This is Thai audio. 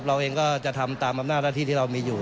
เราเองก็จะทำตามอำนาจหน้าที่ที่เรามีอยู่